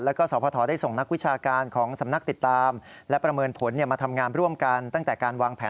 มันส่งนักวิชาการของสำนักติดตามและ